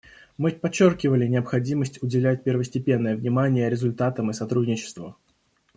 Мы подчеркивали необходимость уделять первостепенное внимание результатам и сотрудничеству.